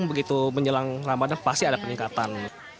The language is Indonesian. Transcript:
begitu menjelang ramadhan pasti ada peningkatan